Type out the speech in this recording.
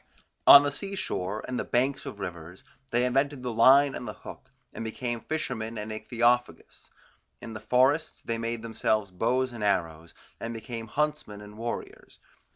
On the sea shore, and the banks of rivers, they invented the line and the hook, and became fishermen and ichthyophagous. In the forests they made themselves bows and arrows, and became huntsmen and warriors.